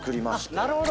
なるほど。